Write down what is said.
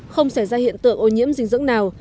không xảy ra hiện tượng ô nhiễm dinh dưỡng nào